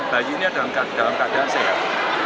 bayinya dalam keadaan sehat